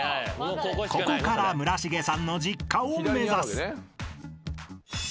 ［ここから村重さんの実家を目指す］